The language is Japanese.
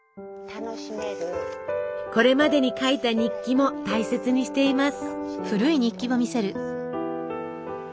これまでに書いた日記も大切にしています。